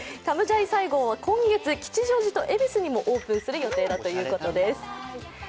タムジャイサムゴーは今月吉祥寺と恵比寿にもオープンする予定だということです。